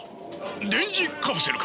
電磁カプセルか！？